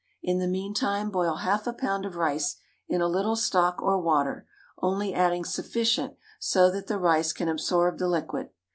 In the meantime boil half a pound of rice in a little stock or water, only adding sufficient so that the rice can absorb the liquid.